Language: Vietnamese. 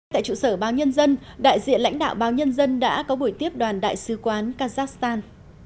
tại trụ sở báo nhân dân đại diện lãnh đạo báo nhân dân đã có buổi tiếp đoàn đại sứ quán kazakhstan